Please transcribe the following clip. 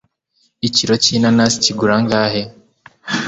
Ikiro cy'inanasi kigura angahe?